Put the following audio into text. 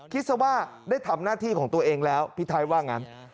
ซะว่าได้ทำหน้าที่ของตัวเองแล้วพี่ไทยว่างั้น